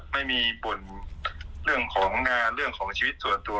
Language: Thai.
ไม่มีบ่นเรื่องของงานเรื่องของชีวิตส่วนตัว